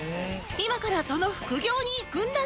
今からその副業に行くんだそう